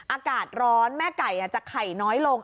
อากาศร้อนแม่ไก่จะไข่น้อยลง